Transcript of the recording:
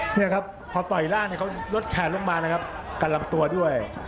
นี่ครับพอต่อยร่างเนี่ยเขาลดแขนลงมานะครับกันลำตัวด้วย